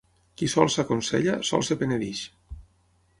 Qui sol s'aconsella, sol es penedeix.